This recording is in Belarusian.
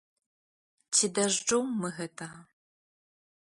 Ці дажджом мы гэтага?